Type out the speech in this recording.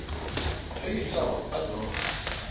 Això hi ajuda molt —faig broma.